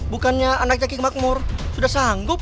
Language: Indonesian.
bukannya anaknya kimakmur sudah sanggup